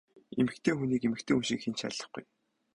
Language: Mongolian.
Эмэгтэй хүнийг эмэгтэй хүн шиг хэн ч хайрлахгүй!